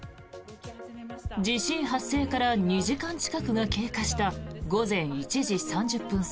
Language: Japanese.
地震発生から２時間近くが経過した午前１時３０分